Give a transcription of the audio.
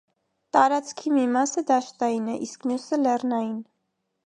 Տարածքի մի մասը դաշտային է, իսկ մյուսը՝ լեռնային։